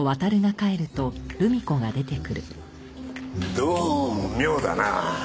どうも妙だなぁ。